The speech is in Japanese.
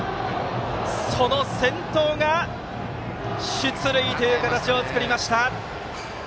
その先頭が出塁という形を作りました。